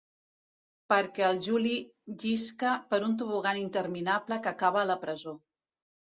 Perquè el Juli llisca per un tobogan interminable que acaba a la presó.